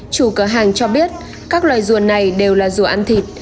chủ cửa hàng cho biết các loài rùa này đều là rùa ăn thịt